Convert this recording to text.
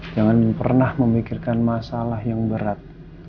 jangan pernah memikirkan masalah yang berat